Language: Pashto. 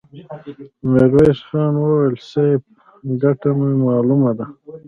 ميرويس خان وويل: صيب! ګټه مو مالومه ده!